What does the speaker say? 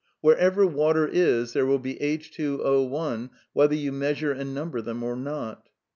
Wherever water is there will be H20i whether you measure and number them or not.